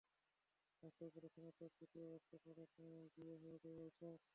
রাজশাহী কলেজে স্নাতক দ্বিতীয় বর্ষে পড়ার সময় বিয়ে হয়ে যায় আয়েশার।